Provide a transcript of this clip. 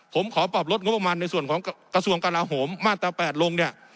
ผมขอปรับลดงบมันในส่วนของกระทรวงการาโหมมาตรประตรลง